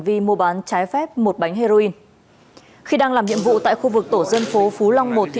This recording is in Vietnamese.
vi mua bán trái phép một bánh heroin khi đang làm nhiệm vụ tại khu vực tổ dân phố phú long một